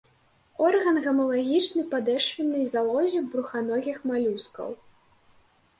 Орган гамалагічны падэшвеннай залозе бруханогіх малюскаў.